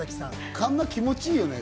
カンナ、気持ちいいよね？